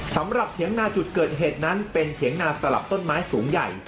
เถียงนาจุดเกิดเหตุนั้นเป็นเถียงนาสลับต้นไม้สูงใหญ่